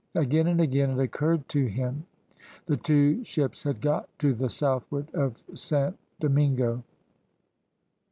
Again and again it occurred to him. The two ships had got to the southward of Saint Domingo.